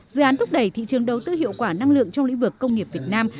dự án thúc đẩy thị trường đầu tư hiệu quả năng lượng trong lĩnh vực công nghiệp việt nam